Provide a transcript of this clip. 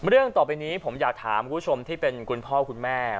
เรื่องต่อไปนี้ผมอยากถามคุณผู้ชมที่เป็นคุณพ่อคุณแม่